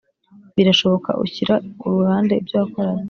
Birashoboka ushyire ku ruhande ibyo wakoraga.